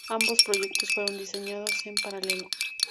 Ambos proyectos fueron diseñados en paralelo.